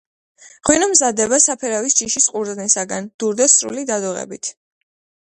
ღვინო მზადდება საფერავის ჯიშის ყურძნისგან, დურდოს სრული დადუღებით.